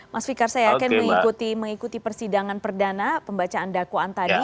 mas fikar saya yakin mengikuti persidangan perdana pembacaan dakwaan tadi